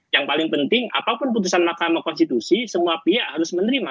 yang paling penting apapun putusan mahkamah konstitusi semua pihak harus menerima